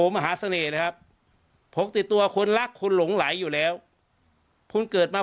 มหาเสน่ห์นะครับพกติดตัวคนรักคนหลงไหลอยู่แล้วคุณเกิดมา